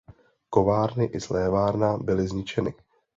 Kovárny i slévárna byly zničeny.